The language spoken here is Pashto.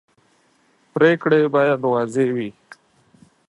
پرېکړې باید واضح وي